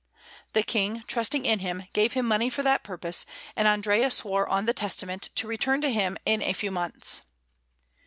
The King, trusting in him, gave him money for that purpose; and Andrea swore on the Testament to return to him in a few months.